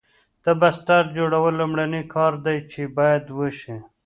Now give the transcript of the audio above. د بستر جوړول لومړنی کار دی چې باید وشي